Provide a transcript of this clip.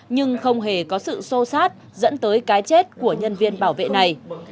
nhưng không hề có sự sô sát dẫn tới cái chết của nhân viên bảo vệ này